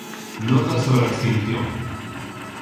Notas sobre a extinción.